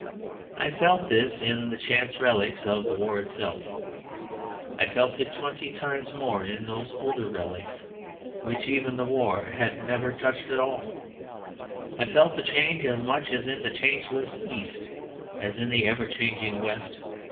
I felt this in the chance relics of the war itself; I felt it twenty times more in those older relics which even the war had never touched at all; I felt the change as much in the changeless East as in the ever changing West.